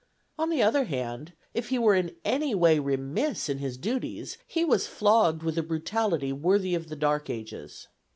On the other hand, if he were in any way remiss in his duties, he was flogged with a brutality worthy of the Dark Ages.